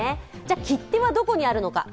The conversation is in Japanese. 切手はどこにあるのか。